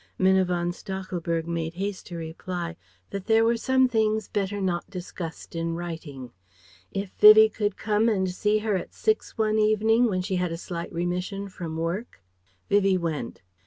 Minna von Stachelberg made haste to reply that there were some things better not discussed in writing: if Vivie could come and see her at six one evening, when she had a slight remission from work Vivie went.